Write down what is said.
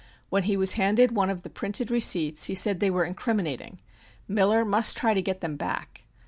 When he was handed one of the printed receipts he said they were "incriminating." Miller must try to get them back.